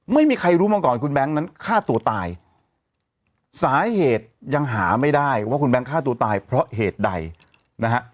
ไม่มีใครรู้มาก่อนคุณแบงค์นั้นฆ่าตัวตายสาเหตุยังหาไม่ได้ว่าคุณแบงค์ฆ่าตัวตายเพราะเหตุใดนะฮะ